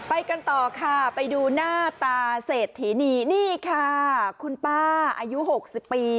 ไปกันต่อค่ะไปดูหน้าตาเศรษฐีนีนี่ค่ะคุณป้าอายุ๖๐ปี